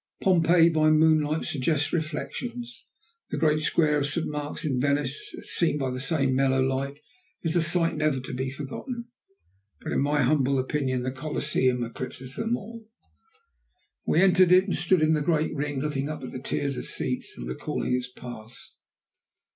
Pompeii by moonlight suggests reflections. The great square of St. Mark's in Venice seen by the same mellow light is a sight never to be forgotten; but in my humble opinion the Colosseum eclipses them all. We entered it and stood in the great ring looking up at the tiers of seats, and recalling its Past.